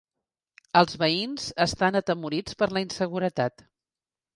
Els veïns estan atemorits per la inseguretat.